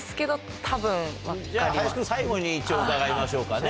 じゃあ林君最後に一応伺いましょうかね。